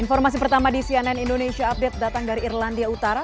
informasi pertama di cnn indonesia update datang dari irlandia utara